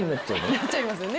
なっちゃいますよね。